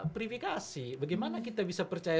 verifikasi bagaimana kita bisa percaya